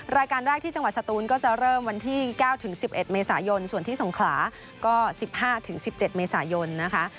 รายการแรกที่จังหวัดสตูนก็จะเริ่มวันที่๙ถึง๑๑เมษายนส่วนที่สงขลาก็๑๕๑๗เมษายนนะคะ